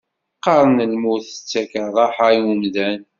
Qqaren lmut tettak rraḥa i umdan.